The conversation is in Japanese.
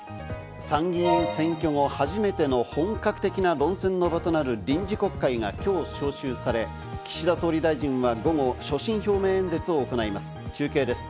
参議院選挙後、初めての本格的な論戦の場となる臨時国会が今日召集され、岸田総理大臣は午後、所信表明演説を行います。